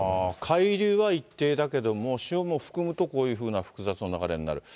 海流は一定だけども、潮も含むと、こういうふうな複雑な流れになる。